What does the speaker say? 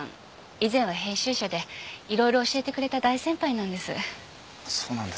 以前は編集者で色々教えてくれた大先輩なんです。